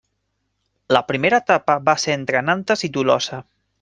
La primera etapa va ser entre Nantes i Tolosa.